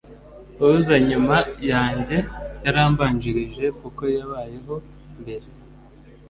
uza nyuma yanjye yarambanjirije kuko yabayeho mbere